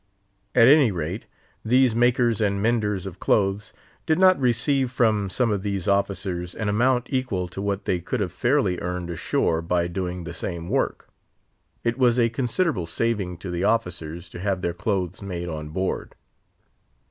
At any rate, these makers and menders of clothes did not receive from some of these officers an amount equal to what they could have fairly earned ashore by doing the same work. It was a considerable saving to the officers to have their clothes made on board.